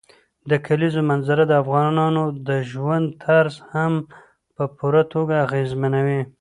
د کلیزو منظره د افغانانو د ژوند طرز هم په پوره توګه اغېزمنوي.